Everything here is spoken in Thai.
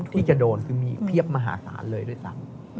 ที่จะโดนคือมีเพียบมหาศาลเลยด้วยซ้ำ